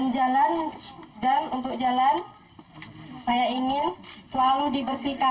dan untuk jalan saya ingin selalu dibersihkan